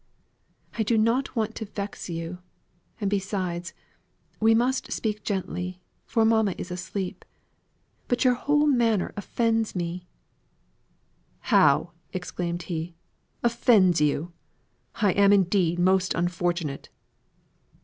I do not want to vex you; and besides, we must speak gently, for mamma is asleep; but your whole manner offends me " "How!" exclaimed he. "Offends you! I am indeed most unfortunate."